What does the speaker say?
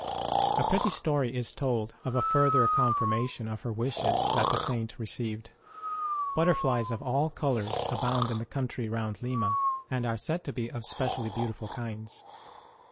A pretty story is told of a further confirmation of her wishes that the Saint received. Butterflies of all colours abound in the country round Lima, and are said to be of specially beautiful kinds.